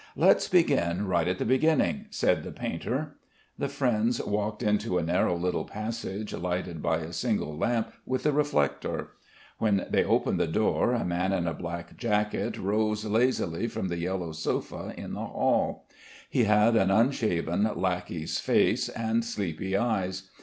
"Let's begin right at the beginning," said the painter. The friends walked into a narrow little passage lighted by a single lamp with a reflector. When they opened the door a man in a black jacket rose lazily from the yellow sofa in the hall. He had an unshaven lackey's face and sleepy eyes.